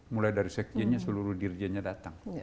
mulai dari sekjennya seluruh dirjennya datang